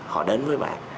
họ đến với bạn